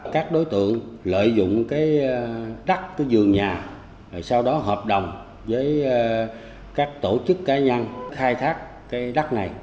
các đối tượng lợi dụng trắc dường nhà sau đó hợp đồng với các tổ chức cá nhân khai thác cái đất này